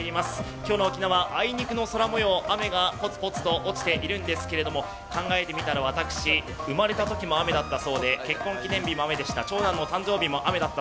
今日の沖縄、あいにくの空もよう、雨がポツポツと落ちているんですけれども、考えてみたら私、生まれたときも雨だったそうで、結婚記念日も雨でした、長男の誕生日も雨でした。